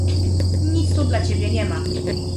"Nic tu dla ciebie nie ma."